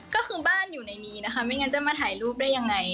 ก็คือบ้านอยู่ในนี้นะคะไม่งั้นจะมาถ่ายรูปได้ยังไง